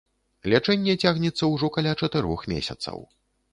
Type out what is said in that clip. Лячэнне цягнецца ўжо каля чатырох месяцаў.